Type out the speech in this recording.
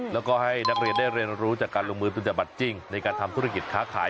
แล้วก็ให้นักเรียนได้เรียนรู้จากการลงมือตุญบัตรจริงในการทำธุรกิจค้าขาย